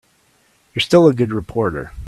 You're still a good reporter.